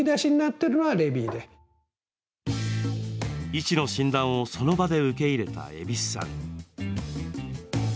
医師の診断をその場で受け入れた蛭子さん。